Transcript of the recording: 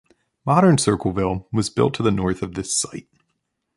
Modern Circleville was built to the north of this site.